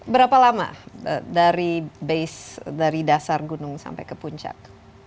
berapa lama dari dasar gunung sampai ke puncak